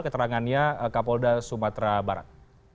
keterangannya kapolda sumatera barat